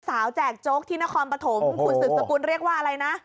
แจกโจ๊กที่นครปฐมคุณสืบสกุลเรียกว่าอะไรนะ